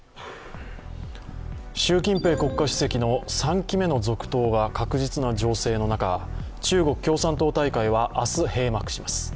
習近平国家主席の３期目の続投が確実な情勢の中、中国共産党大会は明日、閉幕します。